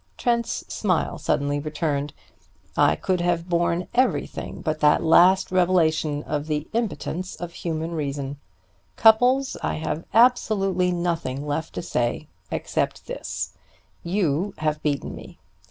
Trent's smile suddenly returned. "I could have borne everything but that last revelation of the impotence of human reason. Cupples, I have absolutely nothing left to say, except this: you have beaten me.